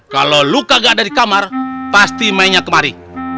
kalau lu kagak ada di kamar pasti mainnya kemari